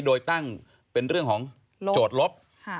โดยตั้งเป็นเรื่องของโจทย์ลบ